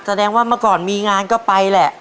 แสดงว่าเมื่อก่อนมีงานก็ไปแหละ